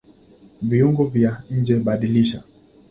Viungo vya njeBadilisha